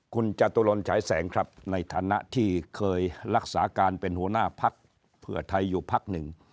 คุณจตุรนฉายแสงครับในฐานะที่เคยรักษาการเป็นหัวหน้าพักเผื่อไทยอยู่พักหนึ่ง